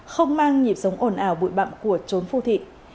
không mang nhịp sống ổn ảo bụi bặng của trốn phu thị